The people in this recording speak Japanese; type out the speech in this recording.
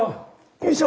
よいしょ。